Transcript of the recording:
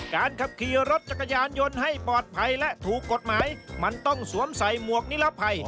การขับขี่รถจักรยานยนต์ให้ปลอดภัยและถูกกฎหมายมันต้องสวมใส่หมวกนิรภัย